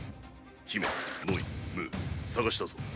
姫ノイムー捜したぞ。